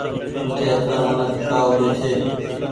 وٺي اترآ منک ڪآ اوٻي ڇي۔